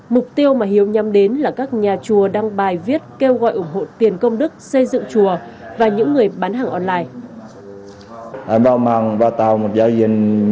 mục tiêu mà hiếu nhắm đến là các nhà chùa đăng bài viết kêu gọi ủng hộ tiền công đức xây dựng chùa và những người bán hàng online